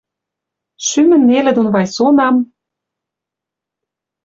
Шӱмӹн нелӹ дон Вайсонам